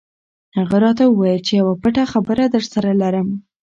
هغه راته وویل چې یوه پټه خبره درسره لرم.